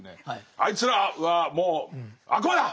「あいつらはもう悪魔だ！」。